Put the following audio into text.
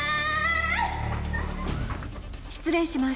・失礼します。